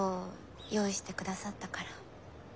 用意して下さったから。